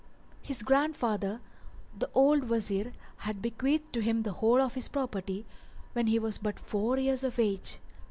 His grandfather the old Wazir had bequeathed to him the whole of his property when he was but four years of age.